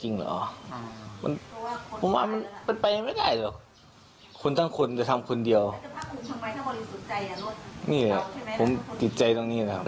นี่ผมติดใจตรงนี้นะครับ